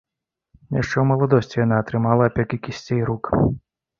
Яшчэ ў маладосці яна атрымала апёкі кісцей рук.